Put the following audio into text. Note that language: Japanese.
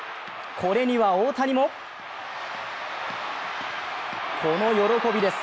これには大谷も、この喜びです。